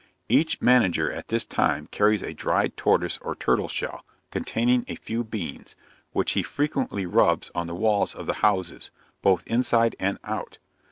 Each manager at this time carries a dried tortoise or turtle shell, containing a few beans, which he frequently rubs on the walls of the houses, both inside and out.